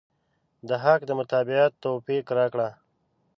د حق د متابعت توفيق راکړه.